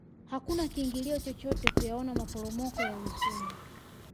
hakuna kiingilio chochote kuyaona maporomoko ya rusumo